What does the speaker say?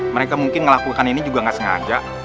mereka mungkin ngelakukan ini juga gak sengaja